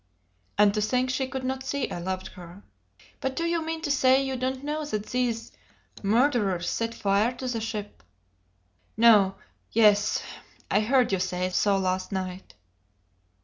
And to think she could not see I loved her! "But do you mean to say you don't know that these murderers set fire to the ship?" "No yes! I heard you say so last night."